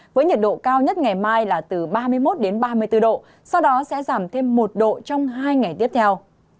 với nhiệt độ cao nhất ngày mai là từ ba mươi một ba mươi bốn độ sau đó sẽ giảm thêm một độ trong hai ngày tiếp theo